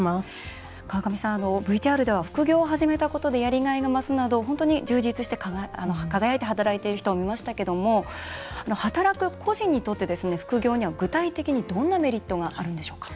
川上さん、ＶＴＲでは副業を始めたことでやりがいが増すなど本当に充実して輝いて働いている人を見ましたけども働く個人にとって副業には具体的にどんなメリットがあるんでしょうか？